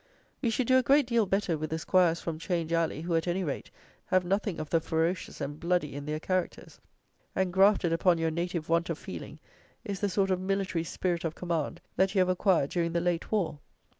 We should do a great deal better with the 'Squires from 'Change Alley, who, at any rate, have nothing of the ferocious and bloody in their characters. Engrafted upon your native want of feeling is the sort of military spirit of command that you have acquired during the late war.